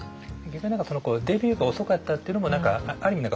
逆に何かデビューが遅かったっていうのもある意味